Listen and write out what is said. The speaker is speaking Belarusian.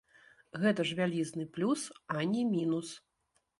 Гэта ж вялізны плюс, а не мінус.